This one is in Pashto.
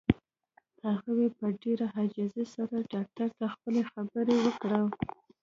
هغې په ډېره عاجزۍ سره ډاکټر ته خپله خبره وکړه.